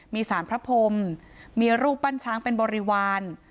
มีสารพระพรมมีรูปปั้นช้างเป็นบริวาร